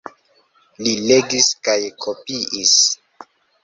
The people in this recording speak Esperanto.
Li legis kaj kopiis.